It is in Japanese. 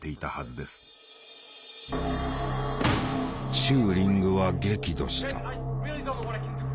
チューリングは激怒した。